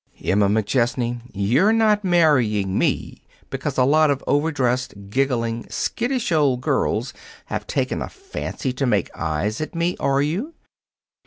"Emma McChesney, you're not marrying me because a lot of overdressed, giggling, skittish old girls have taken a fancy to make eyes at me, are you!"